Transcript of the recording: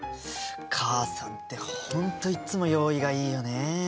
母さんって本当いつも用意がいいよね。